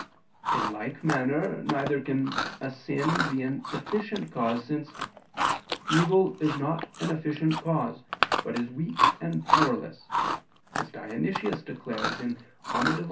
In like manner neither can a sin be an efficient cause, since "evil is not an efficient cause, but is weak and powerless," as Dionysius declares (Div.